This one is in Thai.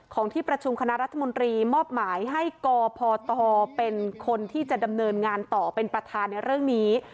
ที่ประชุมคณะรัฐมนตรีมอบหมายให้กพตเป็นคนที่จะดำเนินงานต่อเป็นประธานในเรื่องนี้